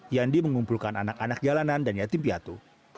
yandi mengumpulkan anak anak jalanan dan yatim piatu